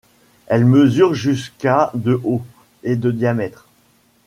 Elle mesure jusqu'à de haut, et de diamètre.